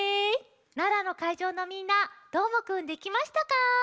奈良のかいじょうのみんなどーもくんできましたか？